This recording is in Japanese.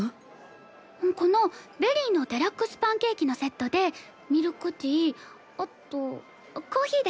このベリーのデラックスパンケーキのセットでミルクティーあとコーヒーで。